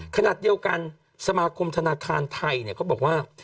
ขณะเดียวกันสมาคมธนาคารไทยเขาบอกว่า